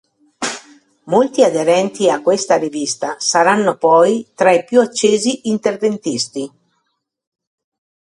Molti aderenti a questa rivista saranno poi tra i più accesi interventisti.